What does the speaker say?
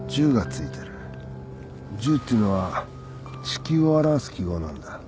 十っていうのは地球を表す記号なんだ